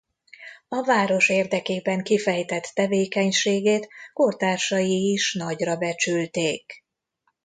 A város érdekében kifejtett tevékenységét kortársai is nagyra becsülték.